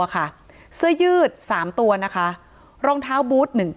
ครับ